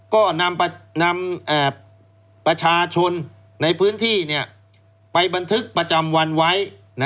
ก็นำประชาชนในพื้นที่ไปบันทึกประจำวันไว้